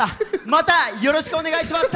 またよろしくお願いいたします。